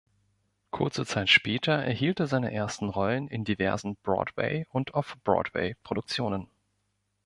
Kurze Zeit später erhielt er seine ersten Rollen in diversen Broadway- und Off-Broadway-Produktionen.